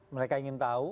mereka ingin tahu